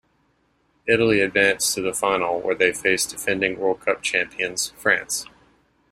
Italy advanced to the final where they faced defending World Cup Champions France.